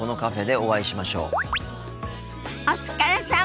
お疲れさま。